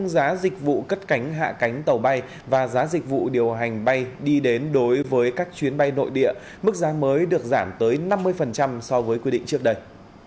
giá dịch vụ cất cánh hạ cánh tàu bay và giá dịch vụ điều hành bay đi đến đối với các chuyến bay nội địa mức giá mới được giảm tới năm mươi so với quy định trước đây